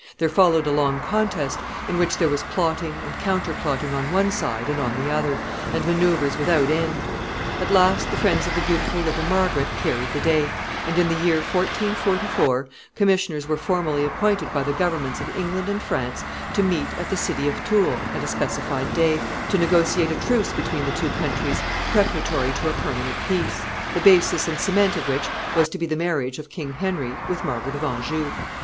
There followed a long contest, in which there was plotting and counterplotting on one side and on the other, and manoeuvres without end. At last the friends of the beautiful little Margaret carried the day; and in the year 1444 commissioners were formally appointed by the governments of England and France to meet at the city of Tours at a specified day, to negotiate a truce between the two countries preparatory to a permanent peace, the basis and cement of which was to be the marriage of King Henry with Margaret of Anjou.